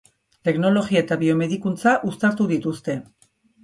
Teknologia eta biomedikuntza uztartu dituzte.